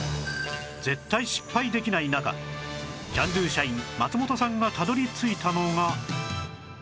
絶対失敗できない中キャンドゥ社員松本さんがたどり着いたのが